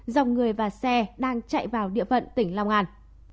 dòng người và xe đang chạy vào địa phận tỉnh long an